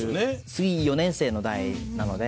次４年生の代なので。